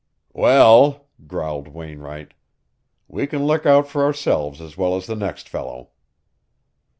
"Well," growled Wainwright, "we can look out for ourselves as well as the next fellow."